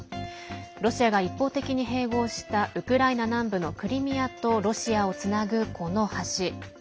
ロシアが一方的に併合したウクライナ南部のクリミアとロシアとつなぐ、この橋。